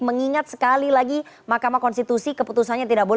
mengingat sekali lagi mahkamah konstitusi keputusan yang akan diambil